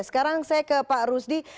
sekarang saya ke pak rusdi